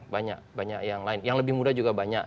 banyak banyak yang lain yang lebih muda juga banyak